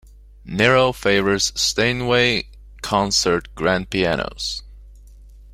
Nero favors Steinway concert grand pianos.